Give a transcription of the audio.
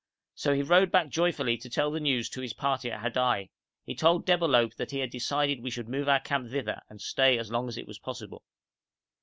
So he rode back joyfully to tell the news to his party at Hadai. He told Debalohp that he had decided that we should move our camp thither, and stay as long as it was possible.